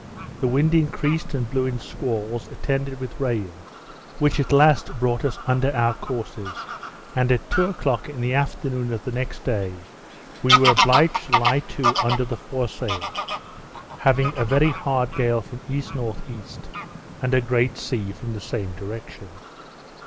The wind increased and blew in squalls, attended with rain, which at last brought us under our courses; and at two o'clock in the afternoon of the next day, we were obliged to lie to under the foresail, having a very hard gale from E.N.E., and a great sea from the same direction.